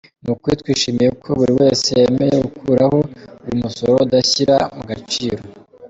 "Ni ukuri twishimiye ko buri wese yemeye gukuraho uyu musoro udashyira mu gaciro.